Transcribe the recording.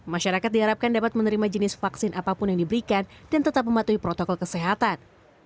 masyarakat diharapkan dapat menerima jenis vaksin apapun yang diberikan dan tetap mematuhi protokol kesehatan